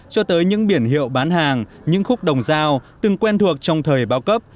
cho tới những biển hiệu bán hàng những khúc đồng giao từng quen thuộc trong thời bao cấp